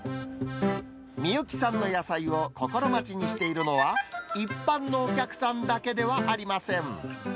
美幸さんの野菜を心待ちにしているのは、一般のお客さんだけではありません。